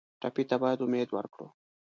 ټپي ته باید امید ورکړو.